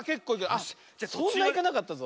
あっそんないかなかったぞ。